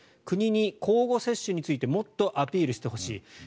国に交互接種についてもっとアピールしてほしい。